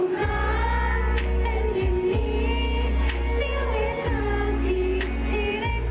สังหวะตกลุ่มหลาย